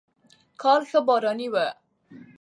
کال ښه باراني و.